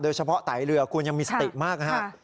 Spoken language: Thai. โดยเฉพาะไตรเรือคุณยังมีสติกมากครับ